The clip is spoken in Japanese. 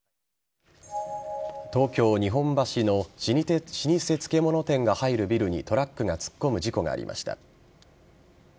東京・日本橋の老舗漬物店が入るビルにトラックが突っ込む事故がありました。